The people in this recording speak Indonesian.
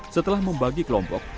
setelah membagi kelompok